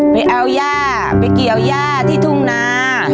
ไปเอาย่าไปเกี่ยวย่าที่ทุ่งนา